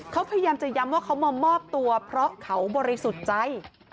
เขาพยายามจะย้ำว่าเขามามอบตัวเพราะเขาบริสุทธิ์ใจ